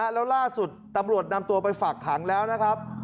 แล้วล่าสุดตำรวจนำตัวไปฝากขังแล้วนะครับ